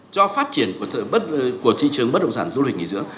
cho phát triển của thị trường bất động sản du lịch nghỉ dưỡng